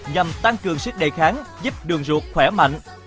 nhằm tăng cường sức đề kháng giúp đường ruột khỏe mạnh